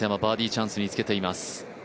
チャンスにつけています。